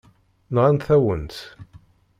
Nɣant-awen-t.